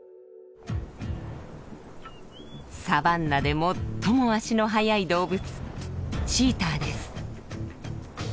サバンナで最も足の速い動物チーターです。